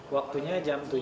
waktunya jam tujuh